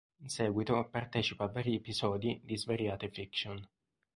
In seguito partecipa a vari episodi di svariate fiction.